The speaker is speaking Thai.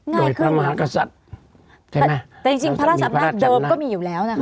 โดยพระมหากษัตริย์ใช่ไหมแต่จริงพระสังฆราชเดิมก็มีอยู่แล้วนะคะ